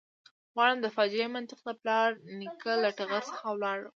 غواړم د فاجعې منطق له پلار نیکه له ټغر څخه ولاړ کړم.